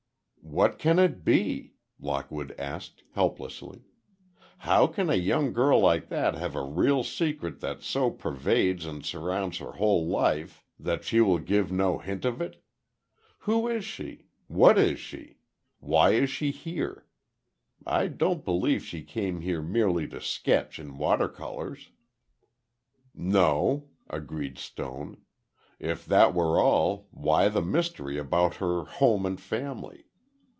"What can it be?" Lockwood asked, helplessly. "How can a young girl like that have a real secret that so pervades and surrounds her whole life that she will give no hint of it? Who is she? What is she? Why is she here? I don't believe she came here merely to sketch in water colors." "No," agreed Stone. "If that were all, why the mystery about her home and family?